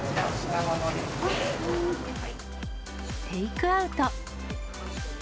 テイクアウト。